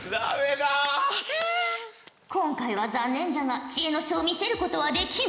今回は残念じゃが知恵の書を見せることはできん。